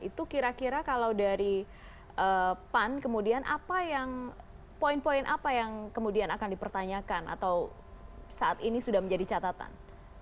itu kira kira kalau dari pan kemudian apa yang poin poin apa yang kemudian akan dipertanyakan atau saat ini sudah menjadi catatan